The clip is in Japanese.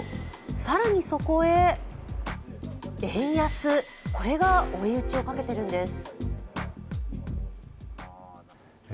更にそこへ円安、これが追い打ちをかけているんです。